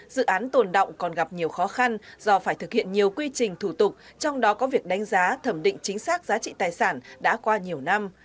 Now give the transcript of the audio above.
dự án tồn động còn gặp nhiều khó khăn do phải thực hiện nhiều quy trình thủ tục trong đó có việc đánh giá thẩm định chính xác giá trị tài sản đã qua nhiều năm